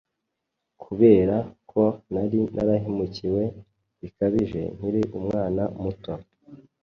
kubera ko nari narahemukiwe bikabije nkiri umwana muto.